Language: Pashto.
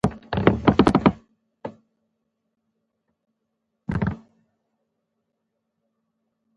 شمعی پټي ځلوه غمازان ډیر دي